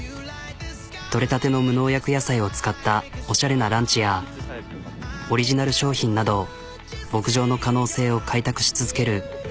取れたての無農薬野菜を使ったおしゃれなランチやオリジナル商品など牧場の可能性を開拓し続ける。